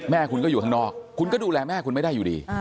แม่คุณก็อยู่ข้างนอกคุณก็ดูแลแม่คุณไม่ได้อยู่ดี